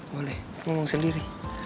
boleh ngomong sendiri